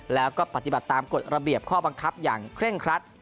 แล้วก็ปฏิบัติตามกฎระเบียบข้อบังคับอย่างเคร่งครัด